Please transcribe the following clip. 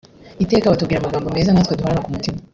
Iteka batubwira amagambo meza natwe duhorana ku mutima